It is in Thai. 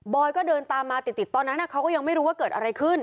ก็เดินตามมาติดตอนนั้นเขาก็ยังไม่รู้ว่าเกิดอะไรขึ้น